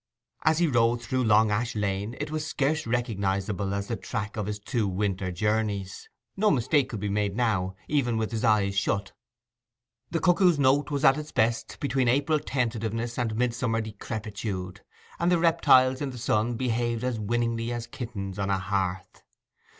As he rode through Long Ash Lane it was scarce recognizable as the track of his two winter journeys. No mistake could be made now, even with his eyes shut. The cuckoo's note was at its best, between April tentativeness and midsummer decrepitude, and the reptiles in the sun behaved as winningly as kittens on a hearth.